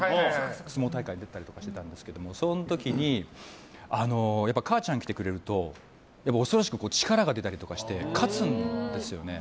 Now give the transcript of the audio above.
相撲大会とかに出てたりしてたんですけどその時に母ちゃん来てくれると恐ろしく力が出たりして勝つんですよね。